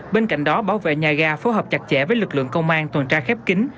bên cạnh đó bảo vệ nhà ga phối hợp chặt chẽ với lực lượng công an tuần tra khép kính